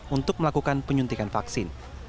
untuk melakukan penyuntikan vaksin